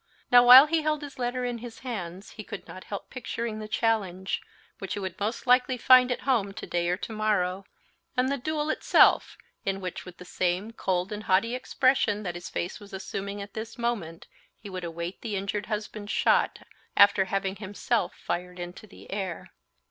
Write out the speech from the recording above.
Now while he held his letter in his hands, he could not help picturing the challenge, which he would most likely find at home today or tomorrow, and the duel itself, in which, with the same cold and haughty expression that his face was assuming at this moment he would await the injured husband's shot, after having himself fired into the air.